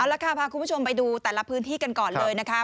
แล้วค่ะพาคุณผู้ชมไปดูแต่ละพื้นที่กันก่อนเลยนะคะ